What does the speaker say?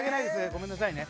ごめんなさいね。